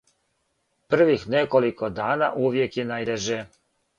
Првих неколико дана увијек је најтеже.